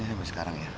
sampai sekarang ya